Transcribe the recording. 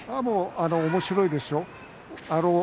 おもしろいですよ。